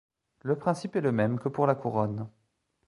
Le principe est le même que pour la couronne.